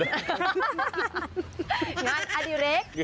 งานอดีเรค